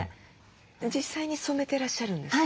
実際に染めてらっしゃるんですか？